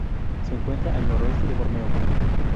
Se encuentra al noroeste de Borneo.